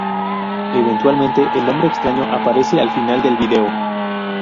Eventualmente, el hombre extraño aparece al final del video.